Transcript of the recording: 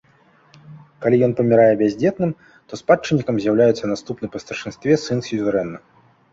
Калі ён памірае бяздзетным, то спадчыннікам з'яўляецца наступны па старшынстве сын сюзерэна.